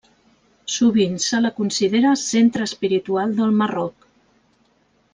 Sovint, se la considera centre espiritual del Marroc.